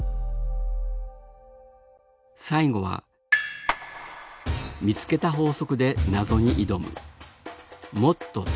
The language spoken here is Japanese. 最後は見つけた法則でなぞにいどむ